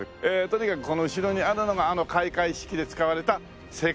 とにかくこの後ろにあるのがあの開会式で使われた聖火台ですよね。